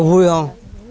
có vui không